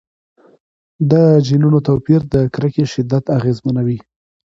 د جینونو توپیر د کرکې شدت اغېزمنوي.